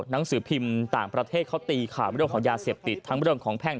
หนังสือพิมพ์ต่างประเทศเขาตีข่าวเรื่องของยาเสพติดทั้งเรื่องของแพ่ง